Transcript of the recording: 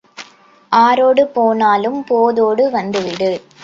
ஆரோடு போனாலும் போதோடு வந்துவிடு.